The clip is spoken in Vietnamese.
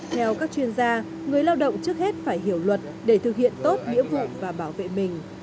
theo các chuyên gia người lao động trước hết phải hiểu luật để thực hiện tốt nghĩa vụ và bảo vệ mình